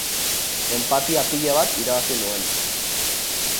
Enpatia pila bat irabazi nuen.